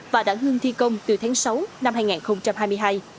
và đã ngưng thi công từ tháng sáu năm hai nghìn hai mươi hai